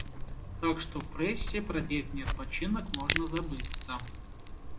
Так што прэсе пра летні адпачынак можна забыцца.